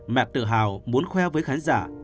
mẹ tự hào muốn khoe với khán giả